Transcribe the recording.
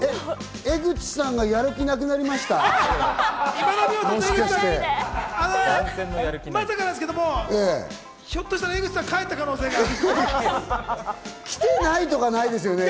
江口さんがやる気なくなりままさかなんですけど、ひょっとしたら江口さん帰った可能性が。来てないとかないですよね。